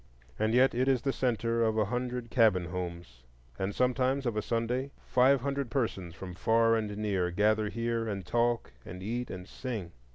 And yet it is the centre of a hundred cabin homes; and sometimes, of a Sunday, five hundred persons from far and near gather here and talk and eat and sing.